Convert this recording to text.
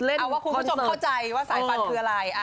เอาว่าคุณผู้ชมเข้าใจว่าสายฟันคืออะไร